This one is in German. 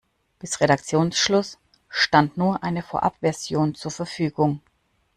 Bis Redaktionsschluss stand nur eine Vorabversion zur Verfügung.